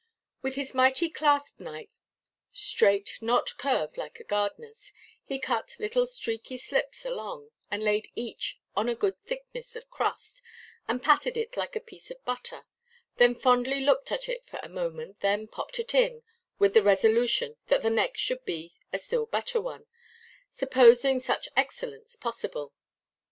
With his mighty clasp–knife (straight, not curved like a gardenerʼs) he cut little streaky slips along, and laid each on a good thickness of crust, and patted it like a piece of butter, then fondly looked at it for a moment, then popped it in, with the resolution that the next should be a still better one, supposing such excellence possible.